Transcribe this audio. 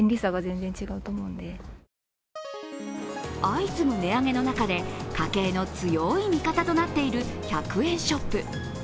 相次ぐ値上げの中で家計の強い味方となっている１００円ショップ。